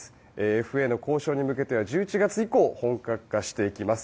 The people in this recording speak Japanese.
ＦＡの交渉に向けては１１月以降本格化していきます。